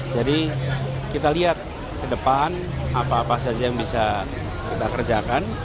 jadi kita lihat ke depan apa apa saja yang bisa kita kerjakan